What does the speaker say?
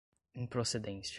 improcedência